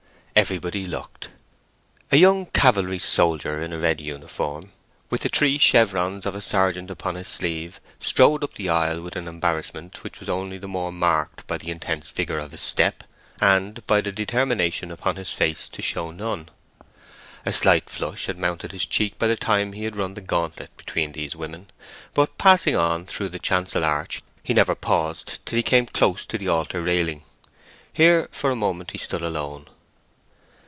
Everybody looked. A young cavalry soldier in a red uniform, with the three chevrons of a sergeant upon his sleeve, strode up the aisle, with an embarrassment which was only the more marked by the intense vigour of his step, and by the determination upon his face to show none. A slight flush had mounted his cheek by the time he had run the gauntlet between these women; but, passing on through the chancel arch, he never paused till he came close to the altar railing. Here for a moment he stood alone.